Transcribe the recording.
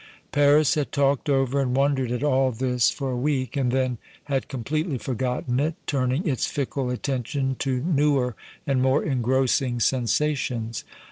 Paris had talked over and wondered at all this for a week, and then had completely forgotten it, turning its fickle attention to newer and more engrossing sensations.